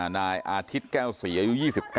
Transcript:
นายอาทิตย์แก๊งมาดีนะครับ